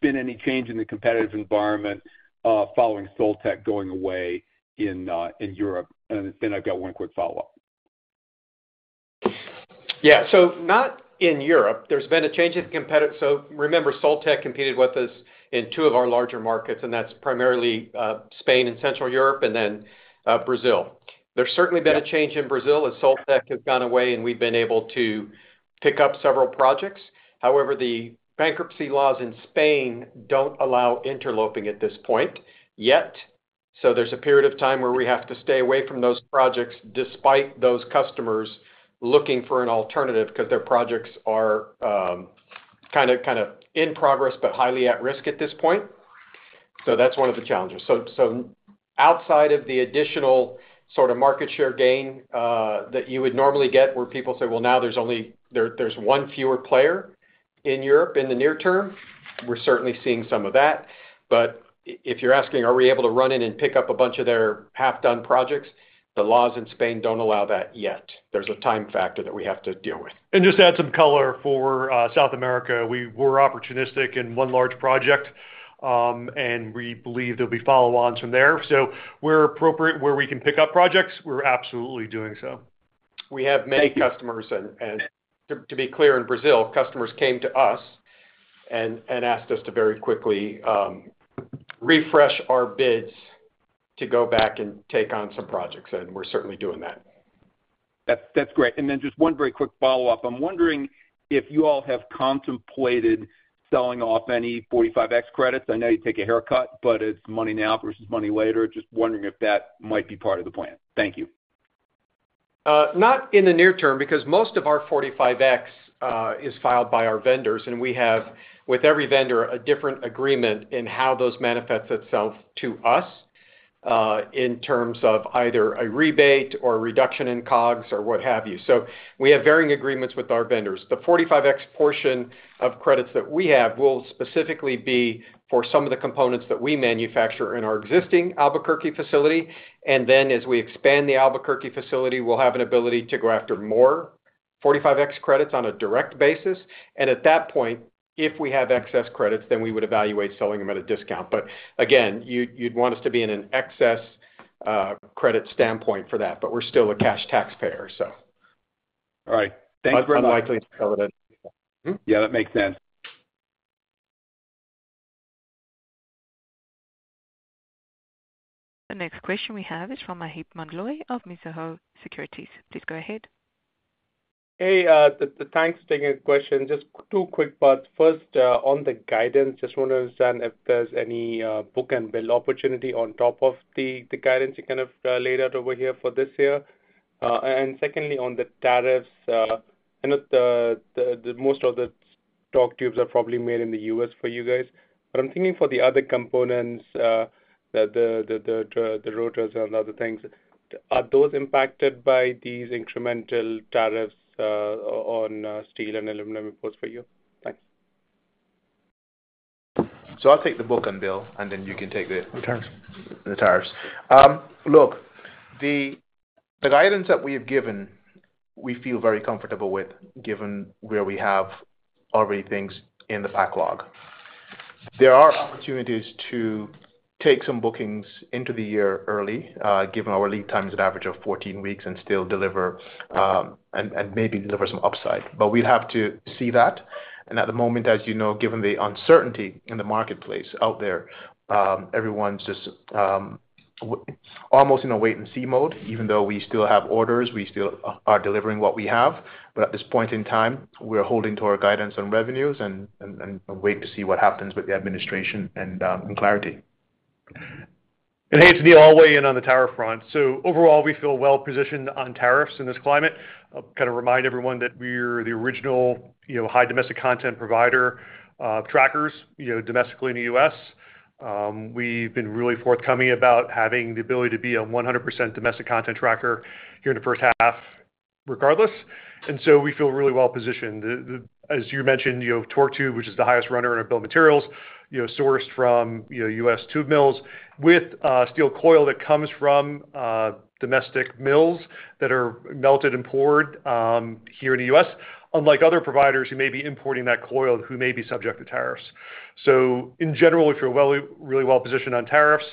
been any change in the competitive environment following Soltec going away in Europe. I have one quick follow-up. Yeah. Not in Europe. There's been a change in competitive. Remember, Soltec competed with us in two of our larger markets, and that's primarily Spain and Central Europe and then Brazil. There's certainly been a change in Brazil as Soltec has gone away, and we've been able to pick up several projects. However, the bankruptcy laws in Spain don't allow interloping at this point yet. There's a period of time where we have to stay away from those projects despite those customers looking for an alternative because their projects are kind of in progress but highly at risk at this point. That's one of the challenges. Outside of the additional sort of market share gain that you would normally get where people say, "Well, now there's one fewer player in Europe in the near term," we're certainly seeing some of that. If you're asking, "Are we able to run in and pick up a bunch of their half-done projects?" the laws in Spain don't allow that yet. There's a time factor that we have to deal with. To add some color for South America, we were opportunistic in one large project, and we believe there will be follow-ons from there. Where we can pick up projects, we're absolutely doing so. We have many customers. To be clear, in Brazil, customers came to us and asked us to very quickly refresh our bids to go back and take on some projects. We're certainly doing that. That's great. One very quick follow-up. I'm wondering if you all have contemplated selling off any 45X credits. I know you take a haircut, but it's money now versus money later. Just wondering if that might be part of the plan. Thank you. Not in the near term because most of our 45X is filed by our vendors, and we have, with every vendor, a different agreement in how those manifest themselves to us in terms of either a rebate or a reduction in COGS or what have you. We have varying agreements with our vendors. The 45X portion of credits that we have will specifically be for some of the components that we manufacture in our existing Albuquerque facility. As we expand the Albuquerque facility, we will have an ability to go after more 45X credits on a direct basis. At that point, if we have excess credits, we would evaluate selling them at a discount. But again, you'd want us to be in an excess credit standpoint for that, but we're still a cash taxpayer, so. All right. Thanks, Brendan. Unlikely to sell it at any point. Yeah, that makes sense. The next question we have is from Maheep Mandloi of Mizuho Securities. Please go ahead. Hey, thanks for taking the question. Just two quick parts. First, on the guidance, just want to understand if there's any book and bill opportunity on top of the guidance you kind of laid out over here for this year. And secondly, on the tariffs, I know most of the TorqueTubes are probably made in the U.S. for you guys. But I'm thinking for the other components, the rotors and other things, are those impacted by these incremental tariffs on steel and aluminum imports for you? Thanks. I'll take the book and bill, and then you can take the returns. The tariffs. Look, the guidance that we have given, we feel very comfortable with given where we have already things in the backlog. There are opportunities to take some bookings into the year early, given our lead times at average of 14 weeks, and still deliver and maybe deliver some upside. We'd have to see that. At the moment, as you know, given the uncertainty in the marketplace out there, everyone's just almost in a wait-and-see mode, even though we still have orders, we still are delivering what we have. At this point in time, we're holding to our guidance on revenues and wait to see what happens with the administration and clarity. Hey, it's me all the way in on the tariff front. Overall, we feel well-positioned on tariffs in this climate. I'll kind of remind everyone that we're the original high domestic content provider trackers domestically in the U.S. We've been really forthcoming about having the ability to be a 100% domestic content tracker here in the first half regardless. We feel really well-positioned. As you mentioned, torque tube, which is the highest runner in our build materials, sourced from U.S. tube mills with steel coil that comes from domestic mills that are melted and poured here in the U.S., unlike other providers who may be importing that coil who may be subject to tariffs. In general, we feel really well-positioned on tariffs,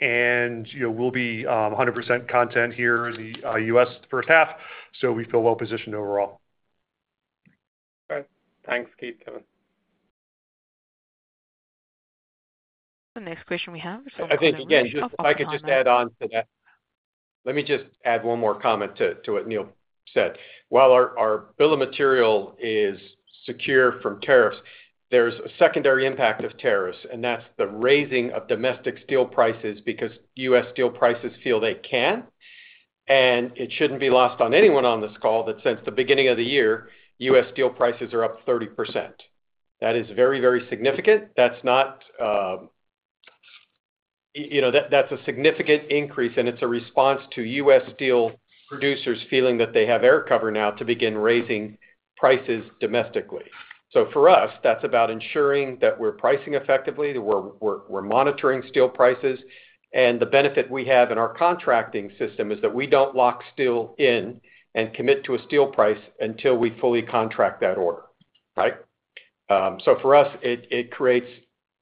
and we'll be 100% content here in the U.S. first half. We feel well-positioned overall. All right. Thanks, Keith, Kevin. The next question we have is from. I think, again, if I could just add on to that. Let me just add one more comment to what Neil said. While our bill of material is secure from tariffs, there's a secondary impact of tariffs, and that's the raising of domestic steel prices because U.S. steel prices feel they can. It shouldn't be lost on anyone on this call that since the beginning of the year, U.S. steel prices are up 30%. That is very, very significant. That's not a significant increase, and it's a response to U.S. steel producers feeling that they have air cover now to begin raising prices domestically. For us, that's about ensuring that we're pricing effectively, that we're monitoring steel prices. The benefit we have in our contracting system is that we don't lock steel in and commit to a steel price until we fully contract that order, right? For us, it creates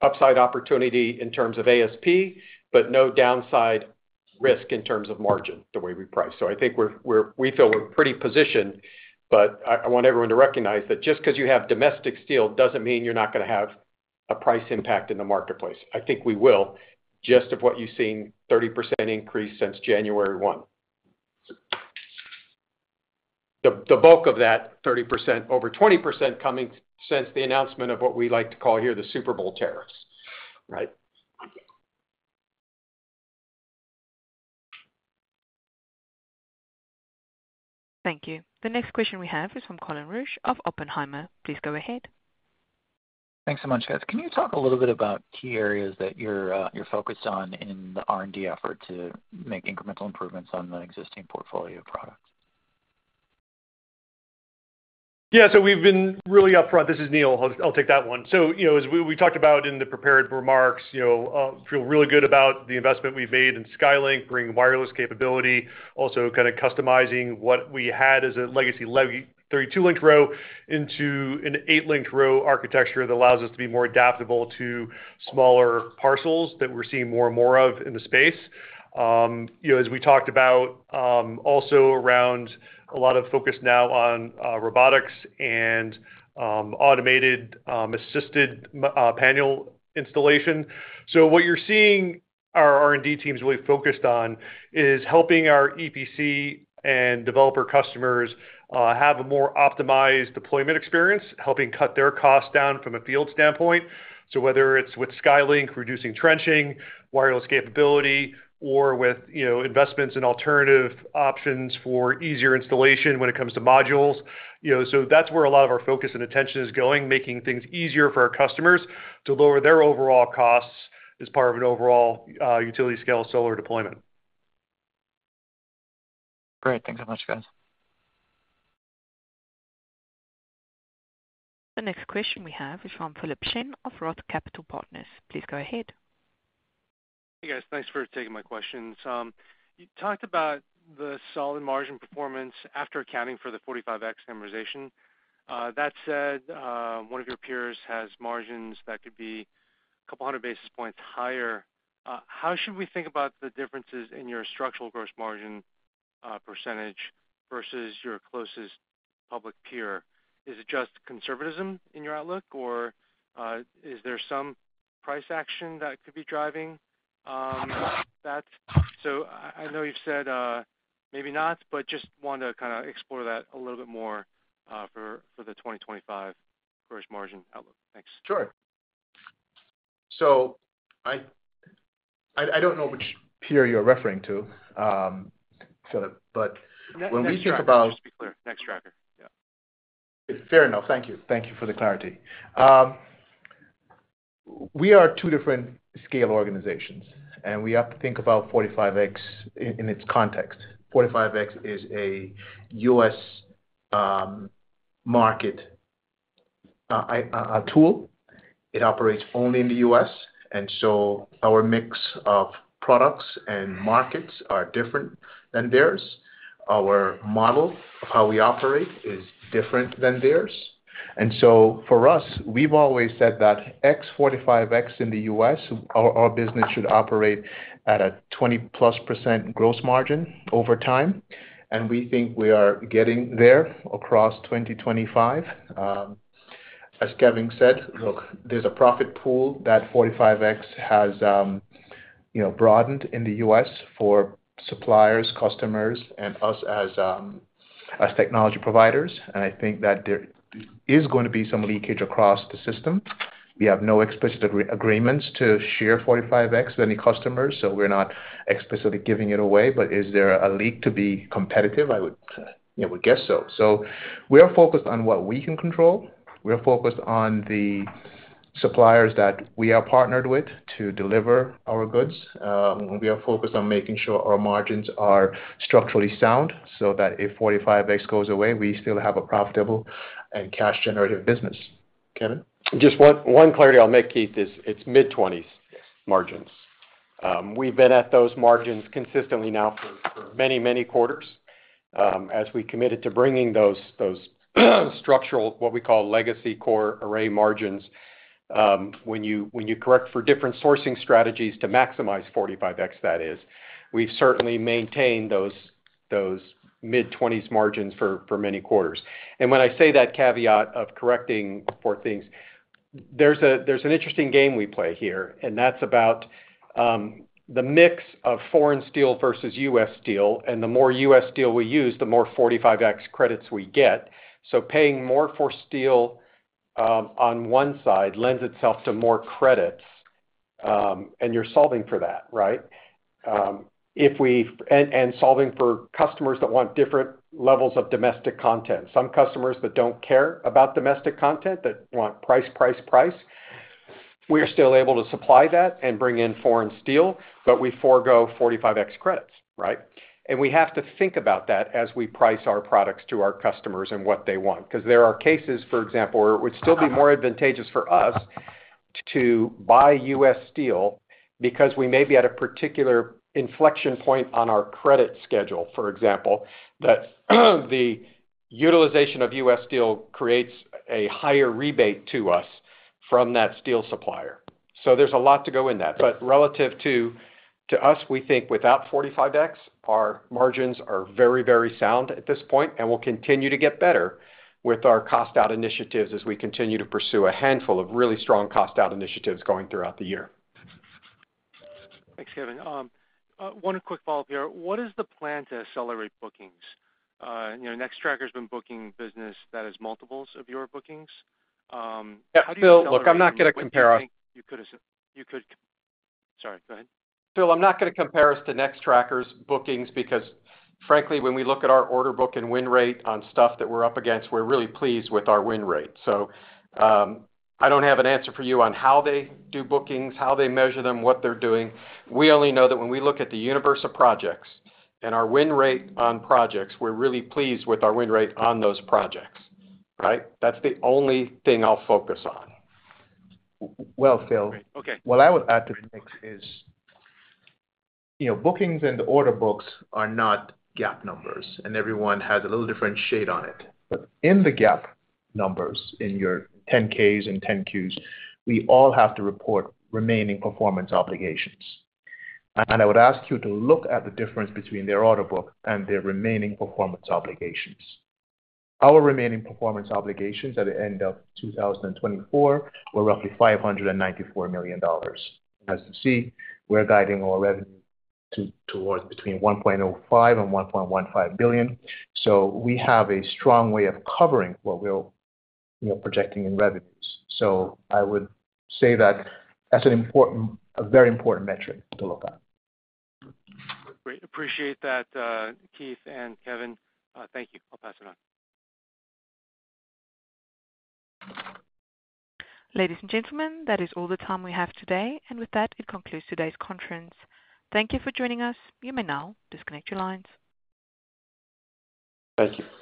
upside opportunity in terms of ASP, but no downside risk in terms of margin the way we price. I think we feel we're pretty positioned, but I want everyone to recognize that just because you have domestic steel doesn't mean you're not going to have a price impact in the marketplace. I think we will, just of what you've seen, 30% increase since January 1. The bulk of that 30%, over 20% coming since the announcement of what we like to call here the Super Bowl tariffs, right? Thank you. The next question we have is from Colin Rusch of Oppenheimer. Please go ahead. Thanks so much, guys. Can you talk a little bit about key areas that you're focused on in the R&D effort to make incremental improvements on the existing portfolio products? Yeah. We've been really upfront. This is Neil. I'll take that one. As we talked about in the prepared remarks, I feel really good about the investment we've made in SkyLink, bringing wireless capability, also kind of customizing what we had as a legacy leg, 32-link row into an 8-link row architecture that allows us to be more adaptable to smaller parcels that we're seeing more and more of in the space. As we talked about, also around a lot of focus now on robotics and automated assisted panel installation. What you're seeing our R&D teams really focused on is helping our EPC and developer customers have a more optimized deployment experience, helping cut their costs down from a field standpoint. Whether it's with SkyLink, reducing trenching, wireless capability, or with investments in alternative options for easier installation when it comes to modules. That's where a lot of our focus and attention is going, making things easier for our customers to lower their overall costs as part of an overall utility-scale solar deployment. Great. Thanks so much, guys. The next question we have is from Philip Shen of Roth Capital Partners. Please go ahead. Hey, guys. Thanks for taking my questions. You talked about the solid margin performance after accounting for the 45X amortization. That said, one of your peers has margins that could be a couple hundred basis points higher. How should we think about the differences in your structural gross margin percentage versus your closest public peer? Is it just conservatism in your outlook, or is there some price action that could be driving that? I know you've said maybe not, but just want to kind of explore that a little bit more for the 2025 gross margin outlook. Thanks. Sure. I do not know which peer you are referring to, Philip, but when we think about. Just to be clear, Nextracker. Yeah. Fair enough. Thank you. Thank you for the clarity. We are two different scale organizations, and we have to think about 45X in its context. 45X is a U.S. market tool. It operates only in the U.S., and our mix of products and markets are different than theirs. Our model of how we operate is different than theirs. For us, we have always said that, excluding 45X in the U.S., our business should operate at a 20%+ gross margin over time. We think we are getting there across 2025. As Kevin said, look, there is a profit pool that 45X has broadened in the U.S. for suppliers, customers, and us as technology providers. I think that there is going to be some leakage across the system. We have no explicit agreements to share 45X with any customers, so we're not explicitly giving it away. Is there a leak to be competitive? I would guess so. We are focused on what we can control. We're focused on the suppliers that we are partnered with to deliver our goods. We are focused on making sure our margins are structurally sound so that if 45X goes away, we still have a profitable and cash-generative business. Kevin. Just one clarity I'll make, Keith, is it's mid-20s margins. We've been at those margins consistently now for many, many quarters as we committed to bringing those structural, what we call legacy core ARRAY margins. When you correct for different sourcing strategies to maximize 45X, that is, we've certainly maintained those mid-20s margins for many quarters. When I say that caveat of correcting for things, there's an interesting game we play here, and that's about the mix of foreign steel versus U.S. steel. The more U.S. steel we use, the more 45X credits we get. Paying more for steel on one side lends itself to more credits, and you're solving for that, right? Solving for customers that want different levels of domestic content. Some customers that do not care about domestic content, that want price, price, price, we're still able to supply that and bring in foreign steel, but we forego 45X credits, right? We have to think about that as we price our products to our customers and what they want. Because there are cases, for example, where it would still be more advantageous for us to buy U.S. steel because we may be at a particular inflection point on our credit schedule, for example, that the utilization of U.S. steel creates a higher rebate to us from that steel supplier. There is a lot to go in that. Relative to us, we think without 45X, our margins are very, very sound at this point, and will continue to get better with our cost-out initiatives as we continue to pursue a handful of really strong cost-out initiatives going throughout the year. Thanks, Kevin. One quick follow-up here. What is the plan to accelerate bookings? Nextracker has been booking business that is multiples of your bookings. How do you think? Yeah. Phil, look, I'm not going to compare us. You could. Sorry. Go ahead. Phil, I'm not going to compare us to Nextracker's bookings because, frankly, when we look at our order book and win rate on stuff that we're up against, we're really pleased with our win rate. I don't have an answer for you on how they do bookings, how they measure them, what they're doing. We only know that when we look at the universe of projects and our win rate on projects, we're really pleased with our win rate on those projects, right? That's the only thing I'll focus on. Phil, what I would add to the mix is bookings and order books are not GAAP numbers, and everyone has a little different shade on it. In the GAAP numbers in your 10Ks and 10Qs, we all have to report remaining performance obligations. I would ask you to look at the difference between their order book and their remaining performance obligations. Our remaining performance obligations at the end of 2024 were roughly $594 million. As you see, we're guiding our revenue towards between $1.05 billion and $1.15 billion. We have a strong way of covering what we're projecting in revenues. I would say that that's a very important metric to look at. Great. Appreciate that, Keith and Kevin. Thank you. I'll pass it on. Ladies and gentlemen, that is all the time we have today. With that, it concludes today's conference. Thank you for joining us. You may now disconnect your lines. Thank you.